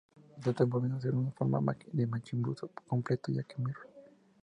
Satán, volviendo a ser de una forma Majin Boo completo, ya que Mr.